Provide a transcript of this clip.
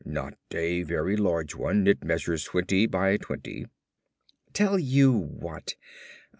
Not a very large one. It measures twenty by twenty." "Tell you what.